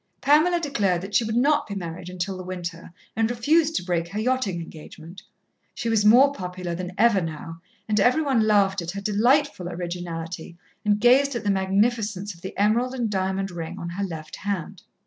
Pamela declared that she would not be married until the winter, and refused to break her yachting engagement. She was more popular than ever now, and every one laughed at her delightful originality and gazed at the magnificence of the emerald and diamond ring on her left hand.